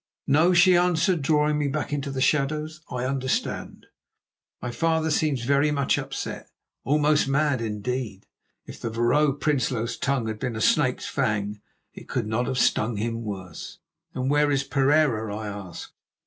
"No," she answered, drawing me back into the shadows, "I understand. My father seems very much upset, almost mad, indeed. If the Vrouw Prinsloo's tongue had been a snake's fang, it could not have stung him worse." "And where is Pereira?" I asked.